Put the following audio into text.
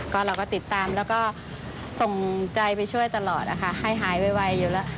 ก็เราก็ติดตามแล้วก็ส่งใจไปช่วยตลอดนะคะให้หายไวอยู่แล้ว